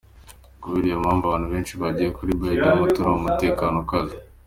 Kubera iyo mpamvu, abantu benshi bagiye ku bio by'amatora mu mutekano ukaze.